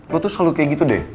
lo tuh selalu kayak gitu deh